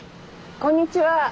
こんにちは。